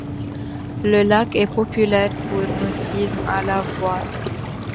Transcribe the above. Le lac est populaire pour nautisme à la voile.